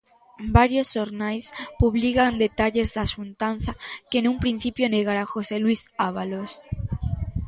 Varios xornais publican detalles da xuntanza que nun principio negara José Luís Ábalos.